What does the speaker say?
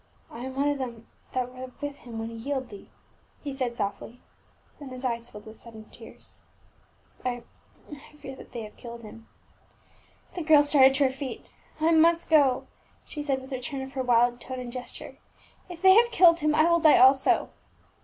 " I am one of them that were with him when he healed thee," he said softly; then his eyes filled with sudden tears, " I — I fear that they have killed him." The girl started to her feet, " I must go," she said with a return of her wild tone and gesture. " If they have killed him, I will die also."